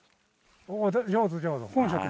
上手上手。